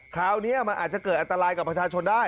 คราวนี้มันอาจจะเกิดอันตรายกับประชาชนได้